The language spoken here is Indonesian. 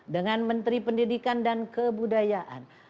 dengan menteri pendidikan dan kebudayaan